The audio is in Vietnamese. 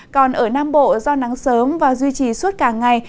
còn ở nam bộ do nắng sớm và duy trì suốt cả ngày